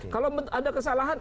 kalau ada kesalahan